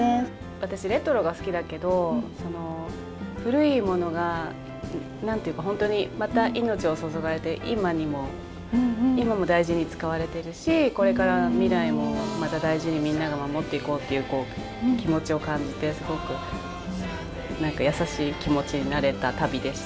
私レトロが好きだけどその古いものが何と言うか本当にまた命を注がれて今にも今も大事に使われてるしこれから未来もまた大事にみんなが守っていこうっていうこう気持ちを感じてすごく何か優しい気持ちになれた旅でした。